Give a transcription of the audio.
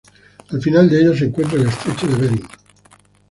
Al final de ella se encuentra el estrecho de bering.